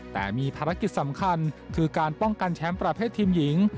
แต่มีภารกิจสำคัญคือการป้องกันแชมป์ประเภททีมหญิง